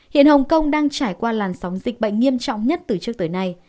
hiện hồng kông đang trải qua làn sóng dịch bệnh nghiêm trọng nhất từ trước tới nay